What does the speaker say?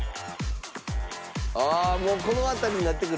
ああもうこの辺りになってくると。